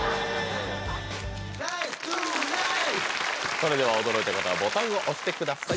それでは驚いた方はボタンを押してください